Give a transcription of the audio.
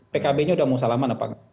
pkb nya udah mau salaman apa enggak